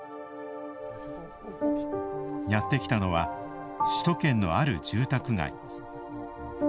やってきたのは首都圏の、ある住宅街。